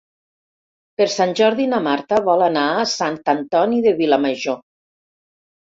Per Sant Jordi na Marta vol anar a Sant Antoni de Vilamajor.